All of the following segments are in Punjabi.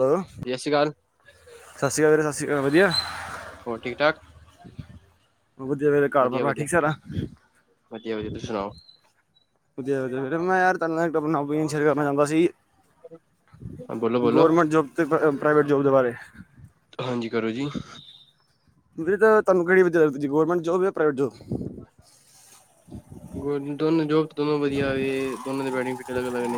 ਹੈਲੋ ਸਤਿ ਸ੍ਰੀ ਅਕਾਲ, ਸਤਿ ਸ਼੍ਰੀ ਅਕਾਲ ਸਤਿ ਸ਼੍ਰੀ ਅਕਾਲ ਹੋਰ ਵਧੀਆ। ਹੋਰ ਠੀਕ ਠਾਕ, ਵਧੀਆ ਵੀਰੇ ਘਰ ਪਰਿਵਾਰ ਠੀਕ ਸਾਰਾ ਵਧੀਆ-ਵਧੀਆ-ਵਧੀਆ-ਵਧੀਆ, ਤੁਸੀ ਸੁਣਾਓ। ਵਧੀਆ ਵਧੀਆ ਵੀਰੇ ਮੈ ਤੇਰੇ ਨਾਲ ਆਪਣੀ ਗੱਲ ਸੇਅਰ ਕਰਨਾ ਚਾਹੁੰਦਾ ਸੀ। ਹਾਂ, ਬੋਲੋ ਬੋਲੋ ਗਰਮੈਂਟ ਜੋਬ ਤੇ ਪ੍ਰਾਈਵੇਟ ਜੋਬ ਦੇ ਬਾਰੇ, ਹਾਂਜੀ ਕਰੋ ਜੀ। ਵੀ ਤਾਂ ਤੁਹਾਨੂੰ ਕਿਹੜੀ ਵਆੱਗ ਗਰਮੈਂਟ ਜੋਬ ਜਾਂ ਪ੍ਰਾਈਵੇਟ ਜੋਬ [inaudible] ਦੋਨੋ ਵਧੀਆ ਹੋਵੇ ਦੋਨੋ ਦੇ ਬੈਫਿਟ ਅਲੱਗ ਅਲੱਗ ਨੇ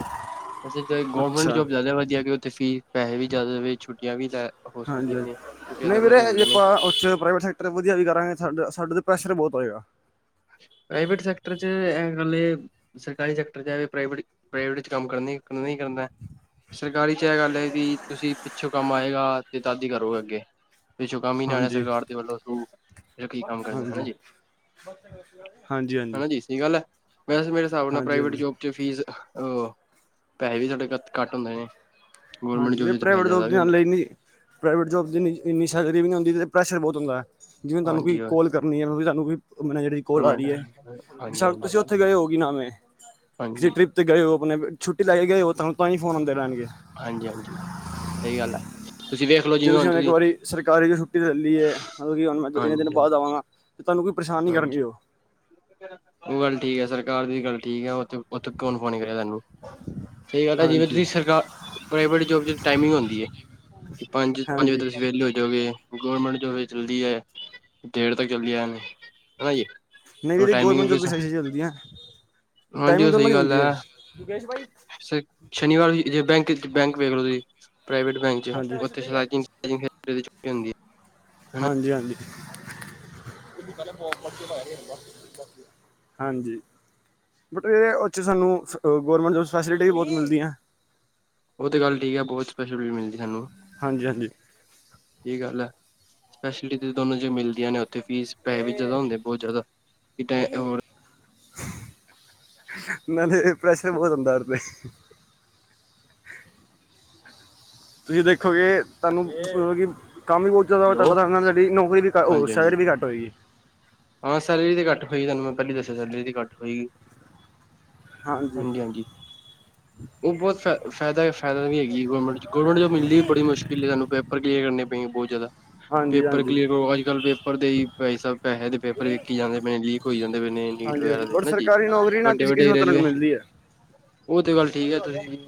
ਵੈਸੇ ਜ ਗੌਰਮੈਂਟ ਅੱਛਾ ਜੋਬ ਜ਼ਿਆਦਾ ਵਧੀਆ ਕਿ ਉਥੇ ਫੀਸ ਪੈਸੇ ਵੀ ਜ਼ਿਆਦਾ ਹੋਵੇ ਛੁੱਟੀਆਂ ਵੀ ਲੈ ਹੋ ਹਾਂਜੀ ਸਕਦੀਆਂ ਹਾਂਜੀ। ਨੇ ਛੁੱਟੀਆਂ ਨਹੀਂ ਦੋਨਾਂ ਵੀਰੇ 'ਚ ਜੇ ਹੁੰਦੀਆਂ ਨੇ ਆਪਾਂ ਉਸ 'ਚ ਪ੍ਰਾਈਵੇਟ ਸੈਕਟਰ ਵਧੀਆ ਵੀ ਕਰਾਂਗੇ ਸਾਡੇ ਸਾਡੇ ਤੇ ਪ੍ਰੈਸ਼ਰ ਬਹੁਤ ਹੋਏਗਾ ਪ੍ਰਾਈਵੇਟ ਸੈਕਟਰ 'ਚ ਇਹ ਗੱਲ ਹੈ ਸਰਕਾਰੀ ਸੈਕਟਰ 'ਚ ਵੀ ਪ੍ਰਾਈਵੇਟ ਪ੍ਰਾਈਵੇਟ ' ਕੰਮ ਕਰਨ ਕਰਨਾ ਕਰਨਾ ਸਰਕਾਰੀ 'ਚ ਇਹ ਗੱਲ ਹੈ ਵੀ ਤੁਸੀਂ ਪਿੱਛੋਂ ਕੰਮ ਆਏਗਾ ਤੇ ਦਾਦੀ ਕਰੋਗੇ ਅੱਗੇ ਪਿੱਛੋਂ ਕੰਮ ਹੀ ਨਾਲਿਆ ਹਾਂਜੀ ਸਰਕਾਰ ਦੇ ਵੱਲੋਂ ਰੂ ਰੱਖੀ ਕੰਮ ਕਰਨਾ ਹਨਾ ਹਾਂਜੀ ਹਾਂਜੀ ਜੀ ਹਾਂਜੀ ਹਾਂਜੀ ਹਨਾ [inaudible] ਵੈਸੇ ਮੇਰੇ ਹਿਸਾਬ ਨਾਲ ਪ੍ਰਾਈਵੇਟ ਹਾਂਜੀ ਜੋਬ ਚ ਫੀਸ ਉਹ ਪੈਸੇ ਵੀ ਸਾਡੇ ਘੱ ਘੱਟ ਹੁੰਦੇ ਨੇ ਗੌਰਮੈਂਟ ਹਾਂਜੀ ਇਹ ਜੋਬ ਚ ਪੈਸੇ ਪ੍ਰਾਈਵੇਟ ਜ਼ਿਆਦਾ ਜੋਬ ਵੀ ਦੇ ਹੁੰਦੇ ਨਾਲਨੀ ਪ੍ਰਾਈਵੇਟ ਜੋਬ ਦੀ ਇੰਨੀ ਸੈਲਰੀ ਵੀ ਨੀ ਹੁੰਂਦੀ ਪ੍ਰੈਸ਼ਰ ਬਹੁ ਗਾ ਜਿਵੇਂ ਤੁਹਾਨੂੰ ਹਾਂਜੀ ਕੋਈ ਕੋਲ ਕਰਨੀ ਹੈ ਸਾਨੂੰ ਮੇਰੀ ਜਿਹੜੀ ਕੋਲ ਆ ਰਹੀ ਹੈ ਪਰਮਾਨੈਂਟ ਬ ਹਾਂਜੀ ਹਾਂਜੀ ਸ਼ਾਇਦ ਤੁਸੀਂ ਹਾਂਜੀ ਉੱਥੇ ਗਏ ਹੋ ਕੀ ਨਾਮ ਹੈ। ਕਿਸੀ ਹਾਂਜੀ ਟ੍ਰਿਪ ਤੇ ਗਏ ੳ ਆਪਣੇ ਛੁੱਟੀ ਲੈ ਕੇ ਗਏ ਉਹ ਤਾਂ ਹੀ ਫੋਨ ਆਉਂਦੇ ਰੈਣਗੇ। ਹਾਂਜੀ ਹਾਂਜੀ ਸਹੀ ਗੱਲ ਹੈ। ਤੁਸੀਂ ਵੇਖ ਲਓ ਜੇ ਜਿਵੇਂ ਤੁਸੀਂ ਹੁਣ ਇੱਕ ਵਾਰੀ ਸਰਕਾਰੀ ਛੁੱਟੀ ਲੈ ਲਈਏ ਮਤਲਬ ਕਿ ਹੁਣ ਮੈਂ ਇੰਨੇ ਦਿਨ ਹਾਂਜੀ ਬਾਅਦ ਹਾਂਜੀ ਆਵਾਂਗਾ ਤੁਹਾਨੂੰ ਕੋਈ ਪਰੇਸ਼ਾਨ ਨਹੀਂ ਕਰਨਗੇ, ਹਾਂਜੀ ਉਹ- ਉਹ ਗੱਲ ਠੀਕ ਹੈ ਸਰਕਾਰ ਦੀ ਵੀ ਗੱਲ ਠੀਕ ਹੈ। ਅਤੇ ਉੱਥੋਂ ਕੌਣ ਫੋਨ ਨਹੀਂ ਕਰਿਆ ਤੁਹਾਨੂੰ ਸਹੀ ਗੱਲ ਹੈ ਜਿਵੇਂ ਹਾਂਜੀ ਤੁਸੀਂ ਸਰਕਾਰ ਪ੍ਰਾਈਵੇਟ ਜੋਬ 'ਚ ਟਾਈਮਿੰਗ ਹੁੰਦੀ ਹੈ ਕਿ ਪੰਜ ਪੰਜ ਵਜੇ ਹਾਂਜੀ ਤੁਸੀਂ ਵਿਹਲੇ ਹੋ ਜਾਓਗੇ। ਗੌਰਮੈਂਟ ਜੋਬ ਚਲਦੀ ਹੈ ਦੇਰ ਤੱਕ ਚਲਦੀ ਹੈ। ਹਨਾ ਜੀ। ਨਹੀਂ ਉਹ ਇਹਦੀ ਟਾਈਮਿੰਗ ਗੌਰਮੈਂਟ ਵੀ ਜੋਬ ਕਿਸ ਤਰ੍ਹਾਂ ਚੱਲਦੀ ਐ। ਹਾਂਜੀ ਉਹ ਸਹੀ ਗੱਲ ਹੈ ਸ਼ਨੀਵਾਰ ਜੇ ਬੈਂਕ ਬੈਂਕ ਵੇਖ ਲੋ ਤੁਸੀਂ ਪ੍ਰਾਈਵੇਟ ਬੈਂਕ ਚ ਹਾਂਜੀ ਉਥੇ ਹੁੰਦੀ ਹੈ। ਹਨਾ ਹਾਂਜੀ ਹਾਂਜੀ ਹਾਂਜੀ। ਬਟ ਇਹਦੇ ਉਥ ਸਾਨੂੰ ਗੌਰਮੈਂਟ ਜੋਬ ਫੈਸਿਲਿਟੀ ਵੀ ਬਹੁਤ ਮਿਲਦੀਆਂ। ਉਹ ਤਾਂ ਗੱਲ ਠੀਕ ਹੈ ਬਹੁਤ ਸਪੈਸ਼ਲਿਟੀ ਮਿਲਦੀ ਸਾਨੂੰ ਹਾਂਜੀ ਹਾਂਜੀ। ਫੈਸਿਲਿਟੀ ਦੋਨੋ ਜ ਮਿਲਦੀਆਂ ਨੇ ਓ ਤੇ ਫੀਸ ਪੈਹੇ ਵੀ ਜ਼ਿਆਦਾ ਹੁੰਦੇ, ਬਹੁਤ ਜ਼ਿਆਦਾ। ਇਥੇ ਹੋਰ ਮੈਂ ਤੇ, ਇਹ ਪ੍ਰੇਸ਼ਰ ਬਹੁਤ ਹੁੰਦਾ ਏਦੇ ਤੇ। ਤੁਸੀਂ ਦੇਖੋਗੇ, ਤੁਹਾਨੂੰ ਕੰਮ ਵੀ ਬਹੁਤ ਜ਼ਿਆਦਾ ਹੋਟਲ ਹੈਲੋ ਦਾ ਇਨ੍ਹਾਂ ਦਾ, ਠੀਕ, ਨੌਕਰੀ ਵੀ ਓ ਹਾਂਜੀ ਹਾਂਜੀ ਸੈਲਰੀ ਵੀ ਘੱਟ ਹੋਏਗੀ। ਹਾਂ। ਸੈਲਰੀ ਤੇ ਘੱਟ ਹਏਗੀ, ਤੁਹਾਨੂੰ ਮੈਂ ਪਹਿਲੀ ਦੱਸਿਆ, ਸੈਲਰੀ ਤੇ ਘੱਟ ਹਏਗੀ। ਹਾਂਜੀ ਹਾਂਜੀ-ਹਾਂਜੀ, ਉਹ ਬਹੁਤ ਸ ਫਾਇਦਾ, ਫਾਇਦਾ ਵੀ ਗੌਰਮੈਂਟ, ਗੌਰਮੈਂਟ ਜੋਬ ਮਿਲਦੀ ਵੀ ਬੜੀ ਮੁਸ਼ਕਿਲ ਹੈ ਤੁਹਾਨੂੰ, ਪੇਪਰ ਕਲੀਅਰ ਕਰਨੇ ਏਂ ਬਹੁਤ ਜਿਆਦਾ। ਹਾਂਜੀ ਪੇਪਰ ਹਾਂਜੀ ਕਲੀਅਰ ਕਰੋ, ਅੱਜ ਕੱਲ ਪੇਪਰ ਦੇ ਹੀ ਭਾਈ ਸਾਬ ਪੈਸੇ ਤੇ ਪੇਪਰ ਵਿੱਕੀ ਜਾਂਦੇ ਪਏ ਨੇ ਜੀ, ਲੀਕ ਹੋਈ ਜਾਂਦੇ ਪਏ ਨੇ, ਨੀਟ ਹਾਂਜੀ ਹਾਂਜੀ ਵਗੈਰਾ ਦੇ ਬਟ ਹੈਨਾ ਜੀ, ਸਰਕਾਰੀ ਨੌਕਰੀ ਨਾ ਵੱਡੇ ਕਿਸੇ ਵੱਡੇ ਕਿਸਮਤ ਨਾਲ ਰੇਲਵੇ। ਮਿਲਦੀ ਹੈ ਉਹ ਤੇ ਗੱਲ ਠੀਕ ਹੈ, ਤੁਸੀਂ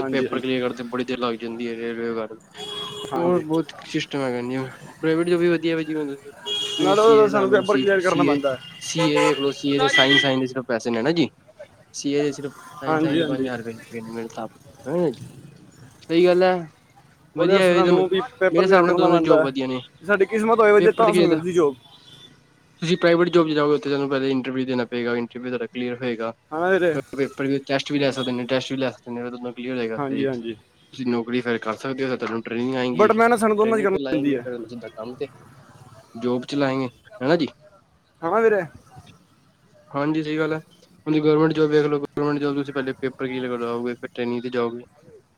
ਹਾਂਜੀ ਪੇਪਰ ਹਾਂਜੀ ਕਲੀਅਰ ਕਰਦੇ ਬੜੀ ਦੇਰ ਲੱਗ ਜਾਂਦੀ ਹੈ, ਰੇਲਵੇ ਵਗੈਰਾ। ਹੋਰ ਹਾਂਜੀ ਬਹੁਤ ਸਿਸਟਮ ਹੈਗਾ ਪ੍ਰਾਈਵੇਟ ਜੋਬ ਵੀ ਵਧੀਆ ਭਾਈ ਕਿ ਹੁੰਦਾ ਸੀ। ਤੁਸੀਂ ਏ ਨਾਲੇ ਸੀ ਉਹਦਾ ਏ ਲਾ ਸਾਨੂੰ ਲਓ। ਪੇਪਰ ਸੀ ਕਲੀਅਰ ਕਰਨਾ ਏ, ਪੈਂਦਾ ਹੈ ਸੀ ਏ ਵੇਖਲੋ, ਸੀ ਏ ਦੇ ਸਾਇਨ ਸਾਇਨ ਹੀ ਸੁਨੈਨਾ ਜੀ, ਸੀ ਏ ਦੇ ਸਿਰਫ ਸਾਈਨ-ਸਾਈਨ ਹਾਂਜੀ ਦੇ ਪੰਜ ਹਾਂਜੀ ਹਜ਼ਾਰ ਰੁਪਏ, [unintelligible] ਹੈਂ, ਸਹੀ ਗੱਲ ਹੈ। ਉਹਦੇ ਵਧੀਆ ਵਾਸਤੇ ਦੋਨੋਂ ਸਾਨੂੰ ਵੀ ਮੇਰੇ ਪੇਪਰ ਵੀ ਹਿਸਾਬ ਨਾਲ ਦੇਣਾ ਦੋਨੋਂ ਜੋਬ ਪੈਂਦਾ, ਵਧੀਆ ਨੇ ਸਾਡੀ ਕਿਸਮਤ ਹੋਵੇ ਵੀਰ ਜੀ ਤਾਂ ਸਾਨੂੰ ਮਿਲਦੀ ਜੋਬ। ਤੁਸੀ ਪ੍ਰਾਈਵੇਟ ਜੋਬ ' ਚ ਜਾਓਗੇ, ਓਥੇ ਤੁਹਾਨੂੰ ਪਹਿਲੇ ਇੰਟਰਵਊ ਦੇਣਾ ਪਵੇਗਾ। ਇਟਰਵਿਊ ਤੁਹਾਡਾ ਕਲੀਅਰ ਹੋਏਗਾ, ਹਨਾ ਵੀਰੇ ਪੇਪਰ ਵੀ ਚੈਸ ਕੁੱਝ ਵੀ ਲੈ ਸਕਦੇ ਨੇ, ਟੈਸਟ ਵੀ ਲੈ ਸਕਦੇ ਨੇ ਕਲੀਅਰ ਹੋਏਗਾ ਹਾਂਜੀ ਤੇ ਹਾਂਜੀ ਤੁਸੀਂ ਨੌਕਰੀ ਫਿਰ ਕਰ ਸਕਦੇ ਹੋ, ਜੇ ਤੁਹਾਨੂੰ ਟ੍ਰੇਨਿੰਗ ਆਏਂਗੀ, ਬਟ ਮਿਹਨਤ ਸਾਨੂੰ ਦੋਨਾਂ 'ਚ ਟ੍ਰੇਨਿੰਗ ਕਰਨੀ ਤੇ ਪੈਂਦੀ ਲਾਏਂਗੇ ਹੈ ਫੇਰ ਤੁਹਾਨੂੰ ਸਿੱਧਾ ਕੰਮ ਤੇ ਜੋਬ ਚ ਲਾਏਂਗੇ ਹੈਨਾ ਜੀ। ਹਨਾ ਵੀਰੇ। ਹਾਂਜੀ ਸਹੀ ਗੱਲ ਹੈ, ਹੁਣ ਗੋਰਮੈਂਟ ਜੋਬ ਵੇਖ ਲਓ, ਗੋਰਮੈਂਟ ਜੋਬ ਤੁਸੀਂ ਪਹਿਲੇ ਪੇਪਰ ਕਲੀਅਰ ਕਰਵਾਓਗੇ ਫ਼ੇਰ ਟ੍ਰੇਨਿੰਗ ਤੇ ਜਾਓਗੇ।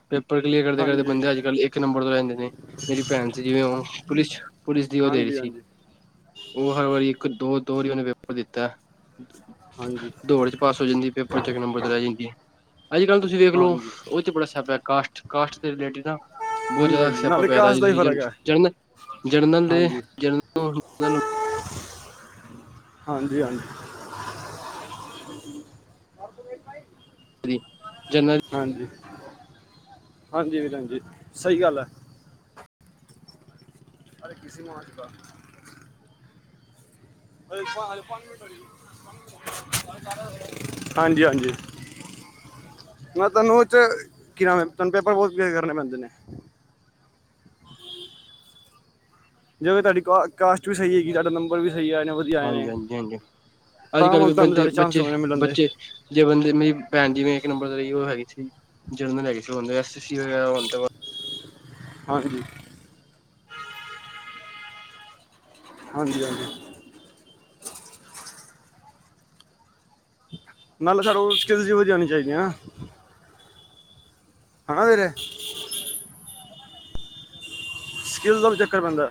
ਪੇਪਰ ਕਲੀਅਰ ਕਰਦੇ ਕਰਦੇ ਹਾਂਜੀ ਬੰਦੇ ਅੱਜ ਕੱਲ੍ਹ ਇੱਕ ਨੰਬਰ ਤੋਂ ਰਹਿ ਜਾਂਦੇ ਨੇ। ਮੇਰੀ ਭੈਣ ਸੀ ਜਿਵੇਂ ਉਹ ਪੁਲਿਸ ਚ, ਪੁਲਿਸ ਦੀ ਉਹ ਦੇ ਰਹੀ ਹਾਂਜੀ ਸੀ। ਹਾਂਜੀ ਵਾਰੀ ਇੱਕ ਦੋ, ਦੋ ਵਾਰੀ ਉਹਨੇ ਪੇਪਰ ਦਿੱਤਾ। ਹਾਂਜੀ ਦੋਨਾਂ ਚ ਪਾਸ ਹੋ ਜਾਂਦੀ, ਪੇਪਰ ਚ ਇੱਕ ਨੰਬਰ ਤੇ ਰਹਿ ਜਾਂਦੀ। ਅੱਜ ਕੱਲ੍ਹ ਤੁਸੀਂ ਵੇਖ ਲੋ, ਹਾਂਜੀ ਉਸ ਚ ਬੜਾ ਸਿਆਪਾ, ਕਾਸਟ ਕਾਸਟ ਦੇ ਰਿਲੇਟਿਡ ਦਾ ਬਹੁਤ ਹਾਂਜੀ ਜਿਆਦਾ ਹਾਂਜੀ ਸਿਆਪਾ ਨਾਲੇ ਪਿਆ ਕਾਸ ਦਾ ਹੀ ਤੁਸੀਂ ਜਨ ਫਰਕ ਹੈ ਜਰਨਲ ਜਰਨਲ ਦੇ [inaudible] ਹਾਂਜੀ ਹਾਂਜੀ ਹਾਂਜੀ। [unintelligible] ਹਾਂਜੀ। ਹਾਂਜੀ, ਵੀਰਾਂ ਜੀ ਸਹੀ ਗੱਲ ਐ। ਅਰੇ ਕਿਸੀ ਮੇ ਆ ਚੁਕਾ। ਹਾਂਜੀ ਹਾਂਜੀ, ਮੈਂ ਤੁਹਾਨੂੰ ਓਦੇ ਚ ਕਿ ਨਾਮ ਏ ਤੁਹਾਨੂੰ ਪੇਪਰ ਬਹੁਤ ਕਲੀਅਰ ਕਰਨੇ ਪੈਂਦੇ ਨੇ। ਜਿਵੇ ਤੁਹਾਡੀ ਕਾ ਕਾਸਟ ਵੀ ਸਹੀ ਹੈਗੀ, ਤੁਹਾਡਾ ਨੰਬਰ ਵੀ ਸਹੀ ਆਏ ਨੇ ਵਧੀਆ ਆਏ ਹਾਂਜੀ ਨੇ ਹਾਂਜੀ ਹਾਂਜੀ, ਤਾਂ ਅੱਜ-ਕੱਲ੍ਹ ਵੀ ਮਤਲਬ ਤੁਹਾਨੂੰ ਬੰਦੇ ਤੁਹਾਡੇ ਚਾਂਸ ਬੱਚੇ ਹੋਣੇ ਮਿਲਣ ਦੇ ਬੱਚੇ ਜੇ ਬੰਦੇ ਮੇਰੀ ਭੈਣ ਜਿਵੇਂ ਇੱਕ ਨੰਬਰ ਤੇ ਰਈ ਕਿ ਔ ਹੈਗੀ ਸੀ ਜਰਨਲ ਹੈਗੀ ਸੀ ਓਨੇ ਐਸ ਸੀ ਐ [unintelligible] ਹਾਂਜੀ। ਹਾਂਜੀ ਹਾਂਜੀ। ਨਾਲੇ ਫੇਰ ਔ ਸਕੀਲਸ ਵੀ ਈਹੋ ਜੀ ਆਣੀ ਚਾਹੀਦੀਆਂ। ਹਨਾ ਵੀਰੇ। ਸਕਿੱਲ ਦਾ ਵੀ ਚੱਕਰ ਪੈਂਦਾ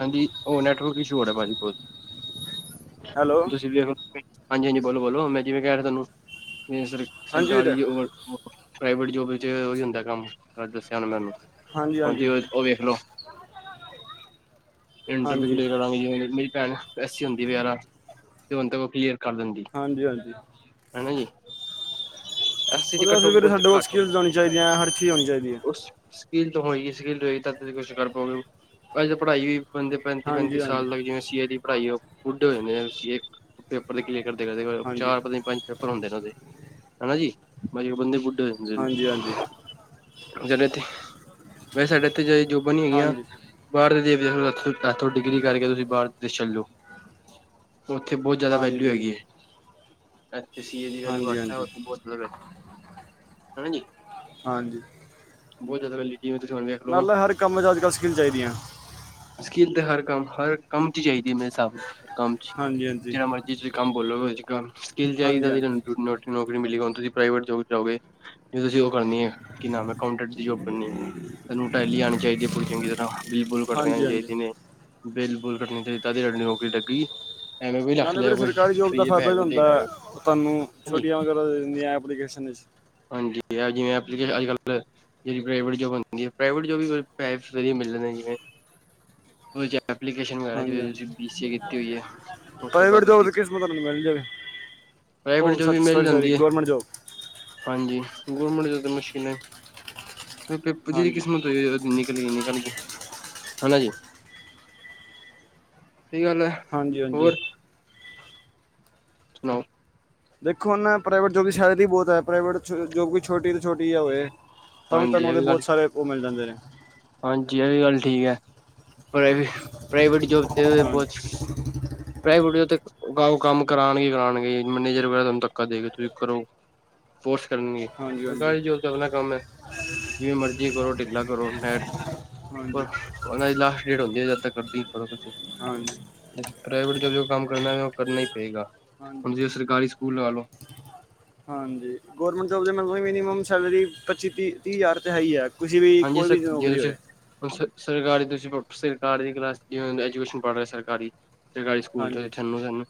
ਹਾਂਜੀ, ਔ ਨੈਟਵਰਕ ਇਸ਼ੂ ਹੋ ਰਿਐ ਭਾਜੀ ਕੋਲ ਹੈਲੋ ਤੁਸੀਂ ਵੀ [inaudible] ਹਾਂਜੀ ਹਾਂਜੀ, ਬੋਲੋ ਬੋਲੋ ਮੈਂ ਜਿਵੇ ਕਹਿ ਰਿਆ ਥੋਨੂੰ ਜੇ ਸਰ ਹਾਂਜੀ ਵੀਰੇ ਸਰਕਾਰੀ ਜੌਬ ਪ੍ਰਾਈਵੇਟ ਜੋਬ ਵਿਚ ਏਹੋ ਈ ਹੁੰਦਾ ਕੰਮ ਆ ਦੱਸਿਆ ਹੁਣ ਮੈ ਉਹਨੂੰ। ਹਾਂਜੀ, ਔਏ ਔ ਵੇਖਲੋ। ਇੰਟਰਵਿਊ ਵੀ ਹਾਂਜੀ ਲੇ ਰਹਾ ਵਈ ਏ ਮੇਰੀ ਭੈਣ ਐਸੀ ਹੁੰਦੀ ਏ ਵੇਐਰਾ ਤੇ ਹੁਣ ਤੇ ਔ ਕਲੀਅਰ ਕਰ ਦਿੰਦੀ ਹਾਂਜੀ, ਹਾਂਜੀ। ਹਨਾ ਜੀ ਐਸ ਸੀ ਚ ਓਹਦੇ ਵਾਸਤੇ ਕੱਟੋ ਫਿਰ ਬਹੁਤ ਸਾਡੇ ਕੋਲ ਘੱਟ ਹੁੰਦਾ ਸਕਿੱਲਸ ਹੋਣੀ ਚਾਹੀਦੀਐ, ਹਰ ਚੀਜ਼ ਹੋਣੀ ਚਾਹੀਦੀ ਏ। ਸਕਿਲ ਤੋ ਹੋਈ ਗੀ ਸਕਿਲ ਰਹੇ ਤਦ ਤੁਸੀਂ ਕੁਛ ਕਰ ਪਾਓਗੇ। ਅਸੀ ਤੇ ਪੜ੍ਹਾਈ ਵੀ ਬੰਦੇ ਪੈਂਤੀ- ਪੈਂਤੀ ਹਾਂਜੀ ਹਾਂਜੀ ਸਾਲ ਲੱਗ ਜੇ ਜਿਵੇਂ ਸੀਏ ਦੀ ਪੜ੍ਹਾਈ ਔ ਬੁੱਡੇ ਹੋ ਜਾਂਦੇ ਨੇ ਸੀਏ ਕ ਪੇਪਰ ਦੇ ਕਲੀਅਰ ਕਰਦੇ- ਕਰਦੇ ਕਰ ਹਾਂਜੀ ਚਾਰ ਪਤਾ ਨੀ ਪੰਜ ਪੇਪਰ ਹੁੰਦੇ ਨੇ ਉਹਦੇ। ਹੈਨਾ ਜੀ ਮਤਲਬ ਜੇੜੇ ਬੰਦੇ ਬੁਢੇ ਜਾਂਦੇ ਹਾਂਜੀ ਹਾਂਜੀ ਨੇ, ਜਨੇ ਤੇ ਵੈਸੇ ਸਾਡੇ ਐਥੇ ਜਾਈ ਜੋਬਾ ਨੀ ਹੈਗੀਆਂ। ਹਾਂਜੀ [unintelligible] ਐਥੋਂ ਡਿਗਰੀ ਕਰਕੇ ਤੁਸੀਂ ਬਾਰ ਤੇ ਛੱਲੋ। ਔਥੇ ਬੌਤ ਜੈਦਾ ਵੈਲਊ ਹਾਂਜੀ ਹੈਗੀ ਏ। ਅੱ ਇਥੇ ਸੀ ਏ ਦੀ ਵੈਲਯੂ ਹਾਂਜੀ ਘਟ ਏ, ਹਾਂਜੀ ਉਥੇ ਬਹੁਤ ਜ਼ਿਆਦਾ। ਹਾਂਜੀ, ਹਾਂਜੀ, ਬਹੁਤ ਜਾਦਾ ਵੈਲਯੂ ਨਾਲ ਹਰ ਕੰਮ ਚ ਅੱਜ-ਕੱਲ ਸਕਿੱਲ ਚਾਹੀਦੀਆਂ। ਸਕਿੱਲ ਤੇ ਹਰ ਕੰਮ ਹਰ ਕੰਮ ਚ ਚਾਹੀਦੀ ਮੇਰੇ ਸਾਭ ਨਾਲ ਕੰਮ ਚ ਹਾਂਜੀ ਹਾਂਜੀ ਜਿਹੜਾ ਮਰਜ਼ੀ ਤੁਸੀਂ ਕੰਮ ਬੋਲੋਗੇ ਗੱਲ ਸਕਿੱਲ ਹਾਂਜੀ ਚਾਹੀਦਾ ਜ ਹਾਂਜੀ ਨੋ ਨ [inaudible] ਜਿਵੇਂ ਹੁਣ ਤੁਸੀਂ ਪ੍ਰਾਈਵੇਟ ਜੋਬ ਚ ਆਓਗੇ ਜ ਤੁਸੀਂ ਉਹ ਕਰਨੀ ਹੈ ਕਿ ਨਾਮ ਆ ਅਕਾਂਊਟੈਂਟ ਦੀ ਜੋਬ ਕਰਨੀ ਹੈ ਤੁਹਾਨੂੰ ਟੈਲੀ ਆਉਣੀ ਚਾਹੀਦੀ ਹੈ ਪੂਰੀ ਚੰਗੀ ਤਰਾ। ਆਹ ਬਿਲ ਬੁਲ ਕੱਟਣ ਹਾਂਜੀ ਆਲੀ ਹਾਂਜੀ ਚਾਹੀਦੀ ਨੇ ਬਿਲ ਬਿਲ ਬੁਲ ਕੱਟਣ ਚ ਤੁਹਾਡੀ ਨੌਕਰੀ ਲੱਗ ਗਈ। ਨਾਲੇ ਵੀਰੇ ਸਰਕਾਰੀ ਜੋਬ ਦਾ ਫਾਇਦਾ ਵੀ ਹੁੰਦਾ ਦੇਗਾ ਹੈ ਉਹ ਤੁਹਾਨੂੰ ਛੁਟੀਆਂ ਵਗੈਰਾ ਦੇ ਦਿੰਦੀਆਂ। ਐਪਲੀਕੇਸ਼ਨਜ ਚ ਹਾਂਜੀ ਆ ਜਿਵੇ ਆਪਣੇ ਅੱਜ ਕੱਲ ਜਿਹੜੀ ਪ੍ਰਾਈਵੇਟ ਜੋਬ ਹੁੰਦੀ ਐ ਪ੍ਰਾਈਵੇਟ ਜੋਬ ਦੇਵੀ ਪੈਸੇ ਵਧੀਆ ਮਿਲਣਗੇ ਫੇਰ, ਹਾਂਜੀ-ਹਾਂਜੀ, ਹੋਈ ਹੈ ਉਸ ਤੋਂ ਬਾਅਦ ਪ੍ਰਾਈਵੇਟ ਤੁਸੀਂ ਜੋਬ ਕਿਸਮਤ ਨਾਲ ਮਿਲਦੀ ਐ ਪ੍ਰਾਈਵੇਟ ਔ ਜੋਬ ਵੀ ਮਿਲ ਸੋਰੀ ਸੋਰੀ ਜਾਂਦੀ ਹੈ ਗਵਰਮੈਂਟ ਜੋਬ, ਹਾਂਜੀ, ਗੋਰਮਿੰਟ ਜੋਬ ਤੋ ਮੁਸ਼ਕਿਲ ਐ। ਜੀ ਦੀ ਹਾਂਜੀ ਕਿਸਮਤ ਹੋਈ ਨਿਕਲੀ ਐ। ਹਨਾ ਜੀ, ਸਹੀ ਗੱਲ ਹੈ ਹਾਂਜੀ ਹਾਂਜੀ ਹੋਰ, ਸੁਣਾਓ? ਦੇਖੋ ਹੁਣ ਪ੍ਰਾਈਵੇਟ ਜੋਬ ਦੀ ਸੈਲਰੀ ਬਹੁਤ ਹੈ ਪ੍ਰਾਈਵੇਟ ਜੋਬ ਵੀ ਛੋਟੀ ਤੇ ਛੋਟੀ ਹੋਵੇ। ਤਾਂ ਵੀ ਹਾਂਜੀ ਤੁਹਾਨੂੰ ਇਹ ਉਹਦੇ ਬਹੁਤ ਗੱਲ ਸਾਰੇ ਉਹ ਮਿਲ ਜਾਂਦੇ ਨੇ, [unintelligible] ਹਾਂਜੀ ਇਹ ਵੀ ਗੱਲ ਠੀਕ ਐ ਪ੍ਰ ਪ੍ਰਾਈਵੇਟ ਜੋਬ, ਤੇ [unintelligible] ਹਾਂਜੀ ਪ੍ਰਾਈਵੇਟ ਕੰਮ ਕਰਾਣਗੇ ਕਰਾਣਗੇ ਮੈਨੇਜਰ ਵਗੈਰਾ ਤੁਹਾਨੂੰ ਧੱਕਾ ਦੇ ਕੇ ਤੁਸੀਂ ਕਰੋ। ਕਰਨਗੇ ਹਾਂਜੀ ਹਾਂਜੀ ਸਰਕਾਰੀ ਜੋਬ ਤੇ ਆਪਣਾ ਕੰਮ ਹੈ। ਜਿਵੇਂ ਮਰਜ਼ੀ ਕਰੋ ਢਿੱਲਾ ਕਰੋ ਹੈਰ ਹਾਂਜੀ ਉਹਨਾਂ ਦੀ ਲਾਸਟ ਡੇਟ ਹੁੰਦੀ ਹੈ ਜਦ ਤਕ ਕਰਦੀ ਹੀ ਕਰੋ ਤੁਸੀਂ ਹਾਂਜੀ ਪ੍ਰਾਈਵੇਟ ਜੋਬ ਜੋ ਕੰਮ ਕਰਨਾ ਉਹ ਕਰਨਾ ਹੀ ਪਏਗਾ ਹੁਣ ਹਾਂਜੀ ਜੇ ਸਰਕਾਰੀ ਸਕੂਲ ਲਾ ਲਓ। ਗਵਰਮੈਂਟ ਜੋਬ ਦੇ ਮਲ ਮਿਨੀਮਮ ਸੈਲਰੀ ਪੱਚੀ ਤੀ ਤੀਹ ਹਜ਼ਾਰ ਤੇ ਹੈ ਹੀ ਹੈ। ਕਿਸੀ ਵੀ ਹਾਂਜੀ ਕੋਈ ਸਰ ਵੀ ਜੇ ਨੌਕਰੀ ਤੁਸੀਂ ਹੋਵੇ। ਹੁਣ ਸ ਸਰਕਾਰੀ ਤੁਸੀਂ ਸਰਕਾਰੀ ਕਲਾਸ ਐਜੂਕੇਸ਼ਨ ਪੜ੍ਹ ਰਹੇ ਸਰਕਾਰੀ, ਸਰਕਾਰੀ ਸਕੂਲ ਚ ਹਾਂਜੀ ਸਾਨੂੰ-ਸਾਨੂੰ,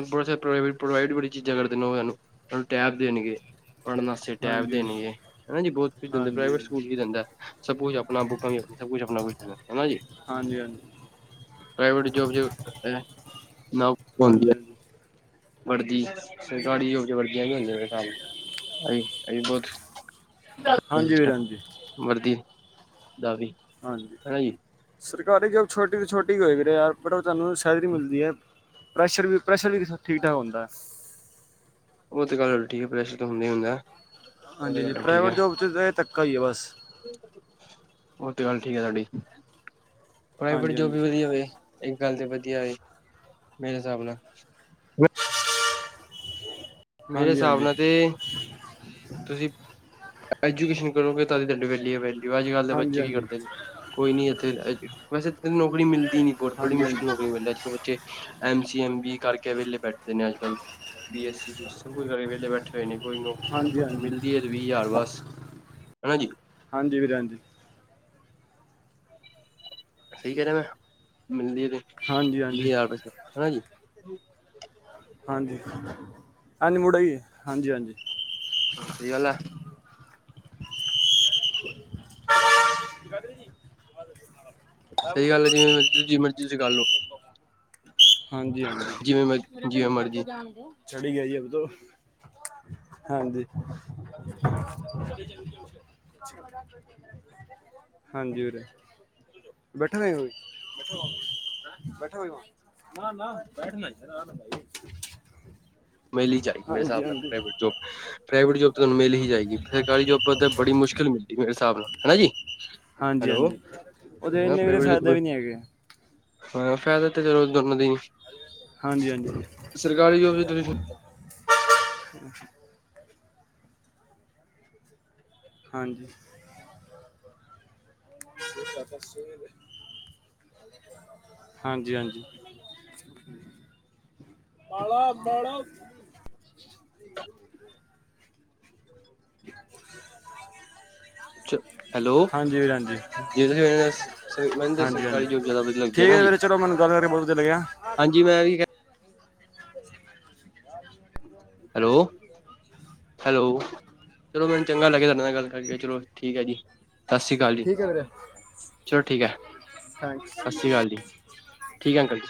[unintelligible] ਪ੍ਰੋਵਾਈਡ ਬੜੀ ਚੀਜ਼ਾਂ ਕਰਦੇ ਨੇ, ਉਹ ਸਾਨੂੰ ਟੈਪ ਦੇਣਗੇ। ਪੜਨ ਆਸਤੇ ਟੈਬ ਹਾਂਜੀ ਹਾਂਜੀ ਦੇਣਗੇ ਹਨਾ ਜੀ ਬਹੁਤ ਕੁਝ ਦਿੰਦੇ, ਹਾਂਜੀ ਪ੍ਰਾਈਵੇਟ ਸਕੂਲ ਕੀ ਦਿੰਦਾ? ਸਪੋਜ [unintelligible] ਹਨਾ ਜੀ, ਹਾਂਜੀ ਪ੍ਰਾਈਵੇਟ ਜੋਬ ਚ ਨੌਕਰੀ ਹੁੰਦੀ ਹਾਂਜੀ ਅ। ਹਾਂਜੀ ਵਰਦੀ ਸਰਕਾਰੀ ਜੋਬ ਚ ਵਰਦੀਆਂ ਨੀ ਹੁੰਦੀਆਂ ਮੇਰੇ ਹਿਸਾਬ ਨਾਲ, ਅਹੀ ਬਹੁਤ ਹਾਂਜੀ ਵੀਰ ਹਾਂਜੀ [unintelligible] ਵਰਦੀ, ਦਾ ਵੀ ਹਾਂਜੀ ਹੈਨਾ ਜੀ। ਸਰਕਾਰੀ ਜੋਬ ਛੋਟੀ ਤੇ ਛੋਟੀ ਹੋ ਆ ਯਾਰ, ਪਰ ਤੁਹਾਨੂੰ ਸੈਲਰੀ ਮਿਲਨੀ ਅ ਪ੍ਰੈਸ਼ਰ ਵੀ ਪ੍ਰੈਸ਼ਰ ਵੀ ਠੀਕ ਠਾਕ ਹੁੰਦਾ ਅ। ਉਹ ਤੇ ਗੱਲ ਠੀਕੇ, ਪ੍ਰੈਸ਼ਰ ਤੇ ਹੁੰਦਾ ਹੀ ਹੁੰਦਾ। ਉਹ ਤੇ ਹਾਂਜੀ ਜੀ, ਗੱਲ ਠੀਕ ਪ੍ਰਾਵੇਟ ਹੈ ਜੋਬ 'ਚ ਤਾਂ ਇਹ ਧੱਕਾ ਈ ਏ ਬਸ। ਹੋਰ ਤੇ ਗੱਲ, ਠੀਕ ਹੈ ਤੁਹਾਡੀ। ਪ੍ਰਾਈਵੇਟ ਹਾਂਜੀ ਜੋਬ ਹਾਂਜੀ ਵੀ ਵਧੀਆ ਹੋਵੇ। ਗੱਲ ਤੇ ਵਧੀਆ ਏ ਮੇਰੇ ਹਿਸਾਬ ਨਾਲ ਮੇਰੇ ਹਾਂਜੀ ਹਿਸਾਬ ਹਾਂਜੀ ਨਾ ਤੇ ਤੁਸੀਂ ਐਜੂਕੇਸ਼ਨ ਕਰੋਗੇ, ਤਦ ਹੀ ਤੁਹਾਡੀ ਵੈਲਊ ਹੈ। ਅੱਜ ਕੱਲ ਦੇ ਹਾਂਜੀ ਬੱਚੇ ਕੀ ਹਾਂਜੀ ਕਰਦੇ ਨੇ? ਕੋਈ ਨੀ ਇੱਥੇ ਵੈਸੇ ਤੇ, ਨੌਕਰੀ ਮਿਲ ਨਹੀ ਨਹੀ ਬਹੁਤ ਬੜੀ ਹਾਂਜੀ ਹਾਂਜੀ ਮੁਸ਼ਕਿਲ ਹੋ ਗਈ, ਮਿਲੇ ਜੋ ਬੱਚੇ ਐਮ ਸੀ, ਐਮ ਬੀ, ਕਰਕੇ ਵੇਲੇ ਬੈਠਦੇ ਨੇ ਅੱਜ ਕੱਲ, ਬੀ ਐੱਸ ਸੀ ਸੱਬ ਕੁਛ ਘਰੇ, ਵੇਲੇ ਬੈਠੇ ਹੋਏ ਨੇ ਕੋਈ ਨੌਕਰੀ ਨਾ ਹਾਂਜੀ ਕੁਛ ਹਾਂਜੀ, ਮਿਲਦੀ ਹੈ ਤੇ ਵੀਹ ਹਜ਼ਾਰ ਬਸ ਹਨਾ ਜੀ ਹਾਂਜੀ ਵੀਰ ਹਾਂਜੀ। ਸਈ ਕਹਿ ਰਿਆ ਮੈਂ, ਮਿਲਦੀ ਐ। ਹਾਂਜੀ ਵੀ ਹਾਂਜੀ ਹਜ਼ਾਰ ਰੁਪਏ ਸਬ, ਹੈਨਾ ਜੀ। ਹਾਂਜੀ ਏਝੰ ਮੁੜੇਗੀ, ਹਾਂਜੀ ਹਾਂਜੀ। ਹਾਂ, ਸਈ ਗੱਲ ਐ। ਜਗਾਧਰੀ ਜੀ। ਸਈ ਗੱਲ ਏ, ਜਿਵੇਂ ਜਿਨੀ ਮਰਜ਼ੀ ਜਗਾ ਲੋ। ਹਾਂਜੀ ਹਾਂਜੀ, ਮਰਜ਼ੀ ਚੜੀ ਗਿਆ ਜੀ, ਅਬ ਤੋ। ਹਾਂਜੀ ਹਾਂਜੀ [unintelligible] ਨਾ ਨਾ ਬੈਠਣਾ [unintelligible] ਮਿਲ ਹੀ ਜਾਏਗੀ ਮੇਰੇ ਹਿਸਾਬ ਨਾਲ ਪ੍ਰਾਈਵੇਟ ਜੋਬ, ਪ੍ਰਾਈਵੇਟ ਜੋਬ ਤੁਹਾਨੂੰ ਮਿਲ ਹੀ ਜਾਏਗੀ, ਖਾਲੀ ਜੋਬ ਤੇ ਬੜੀ ਮੁਸ਼ਕਿਲ ਨਾਲ ਮਿਲਦੀ, ਮੇਰੇ ਹਿਸਾਬ ਨਾਲ ਹੈਨਾ ਜੀ, ਹਾਂਜੀ ਹੈਲੋ, ਹਾਂਜੀ ਉਹਦੇ ਇੰਨੇ ਵੀਰੇ ਪ੍ਰਾਈਵੇਟ ਫਾਇਦੇ ਸਕੂਲ ਵੀ ਨਹੀਂ ਹੈਗੇ ਹਾਂ ਫਾਇਦਾ ਤੇ ਚਲੋ ਦੋਨਾਂ ਦੀ ਹਾਂਜੀ ਹਾਂਜੀ, ਸਰਕਾਰੀ ਜੋਬ ਚ ਤੁਸੀਂ ਮ [unintelligible] ਹਾਂਜੀ ਹਾਂਜੀ ਹਾਂਜੀ [unintelligible] [unintelligible] ਹੈਲੋ, ਹਾਂਜੀ ਵੀਰ ਹਾਂਜੀ ਜੇ ਤੁਸੀਂ ਨਾਲ ਮੈਨ ਹਾਂਜੀ ਸਰਕਾਰੀ ਹਾਂਜੀ ਜੋਬ ਜ਼ਿਆਦਾ ਵਧੀਆ ਲੱਗਦੀ ਹੈ ਠੀਕ ਨਾ ਜੀ ਵੀਰੇ ਚਲੋ ਮੈਨੂੰ ਗੱਲ ਕਰਕੇ ਬਹੁਤ ਵਧੀਆ ਲੱਗਿਆ ਹਾਂਜੀ ਮੈਂ ਵੀ ਹੈਲੋ [unintelligible] ਹੈਲੋ, ਚਲੋ ਮੈਨੂੰ ਚੰਗਾ ਲੱਗਿਆ ਤੁਹਾਡੇ ਨਾਲ ਗੱਲ ਕਰਕੇ, ਚਲੋ ਠੀਕ ਹੈ ਜੀ, ਸਤਿ ਸ੍ਰੀ ਅਕਾਲ ਜੀ, ਚਲੋ ਠੀਕ ਹੈ ਸਤਿ ਸ਼੍ਰੀ ਅਕਾਲ ਜੀ ਹਾਂ ਠੀਕ ਹੈ ਅੰਕਲ ਜੀ,